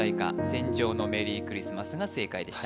「戦場のメリークリスマス」が正解でした